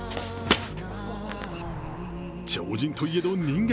超人といえど人間。